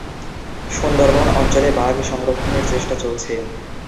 সুন্দরবন অঞ্চলে বাঘ সংরক্ষণের চেষ্টা চলছে।